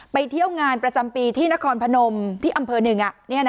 ไปเที่ยวงานประจำปีที่นครพนมที่อำเภอหนึ่ง